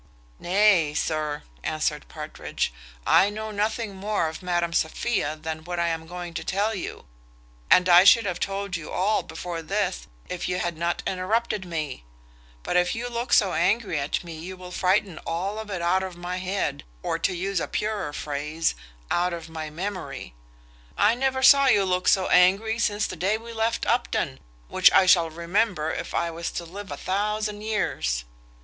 "Nay, sir," answered Partridge, "I know nothing more of Madam Sophia than what I am going to tell you; and I should have told you all before this if you had not interrupted me; but if you look so angry at me you will frighten all of it out of my head, or, to use a purer phrase, out of my memory. I never saw you look so angry since the day we left Upton, which I shall remember if I was to live a thousand years."